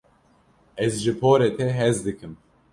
Ez ji porê te hez dikim.